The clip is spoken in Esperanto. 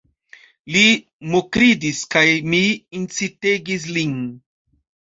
Li mokridis, kaj mi incitegis lin.